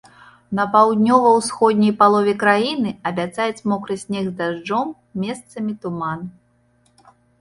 На паўднёва-усходняй палове краіны абяцаюць мокры снег з дажджом, месцамі туман.